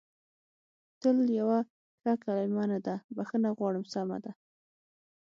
تل یوه ښه کلمه نه ده، بخښنه غواړم، سمه ده.